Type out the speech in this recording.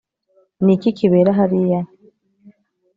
ni iki kibera hariya